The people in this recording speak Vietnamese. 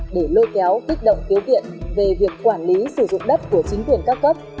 để lôi kéo kích động thiếu tiện về việc quản lý sử dụng đất của chính quyền các cấp